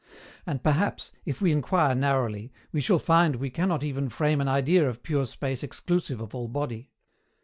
And perhaps, if we inquire narrowly, we shall find we cannot even frame an idea of pure Space exclusive of all body.